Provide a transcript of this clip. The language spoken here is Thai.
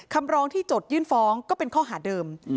คำร้องที่จดยื่นฟ้องก็เป็นข้อหาเดิม